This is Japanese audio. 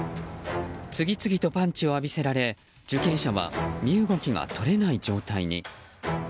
次々とパンチを浴びせられ受刑者は身動きが取れない状態に。